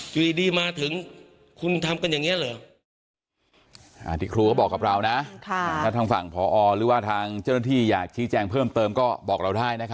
อยู่ดีมาถึงคุณทำกันอย่างนี้เหรอ